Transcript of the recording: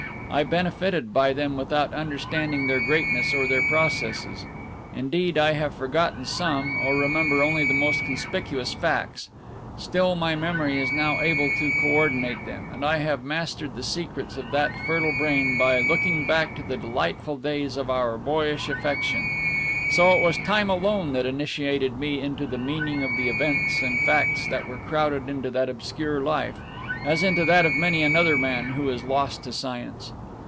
I benefited by them without understanding their greatness or their processes; indeed, I have forgotten some, or remember only the most conspicuous facts; still, my memory is now able to co ordinate them, and I have mastered the secrets of that fertile brain by looking back to the delightful days of our boyish affection. So it was time alone that initiated me into the meaning of the events and facts that were crowded into that obscure life, as into that of many another man who is lost to science.